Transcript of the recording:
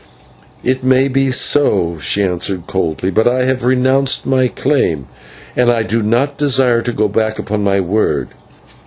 "It may be so," she answered coldly, "but I have renounced my claim and I do not desire to go back upon my word."